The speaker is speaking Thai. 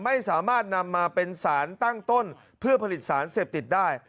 ไม่สามารถนำมาเป็นสารตั้งต้นเพื่อผลิตสารเสพติดได้